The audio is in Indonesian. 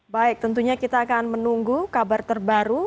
baik tentunya kita akan menunggu kabar terbaru